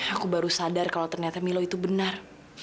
aku baru sadar kalau ternyata milo itu benar